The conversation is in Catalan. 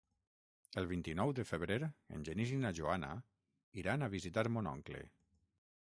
El vint-i-nou de febrer en Genís i na Joana iran a visitar mon oncle.